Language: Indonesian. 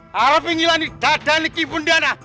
harap ingin lani dadanik ibu undiana